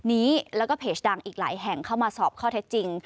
นี้แล้วก็เพจดังอีกหลายแห่งเข้ามาสอบข้อเท็จจริง